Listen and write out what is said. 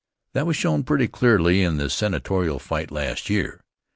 That was shown pretty clearly in the senatorial fight last year.